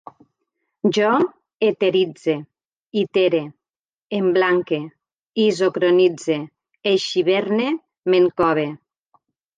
Jo eteritze, itere, emblanque, isocronitze, eixiverne, m'encove